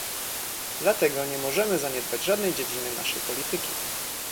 Dlatego nie możemy zaniedbać żadnej dziedziny naszej polityki